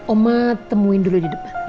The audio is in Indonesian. oma temuin dulu di depan